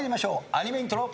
アニメイントロ。